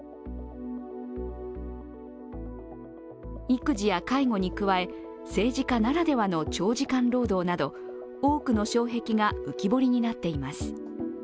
育児や介護に加え、政治家ならではの長時間労働など多くの障壁が浮き彫りになっています。